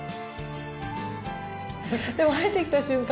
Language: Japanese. でも入ってきた瞬間